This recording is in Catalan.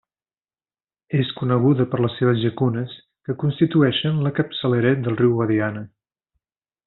És coneguda per les seves llacunes, que constitueixen la capçalera del riu Guadiana.